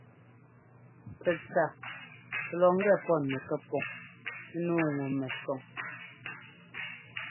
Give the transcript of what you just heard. Tsɛtsa lɔ ŋgɛ pɔ nu pɛpuŋ nǔu ŋu-mɛsɔŋ.